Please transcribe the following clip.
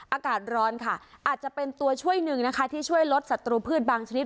อากาศร้อนค่ะอาจจะเป็นตัวช่วยหนึ่งนะคะที่ช่วยลดศัตรูพืชบางชนิด